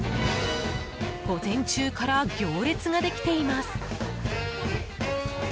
午前中から行列ができています。